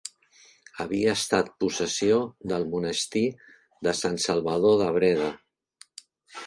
Havia estat possessió del monestir de Sant Salvador de Breda.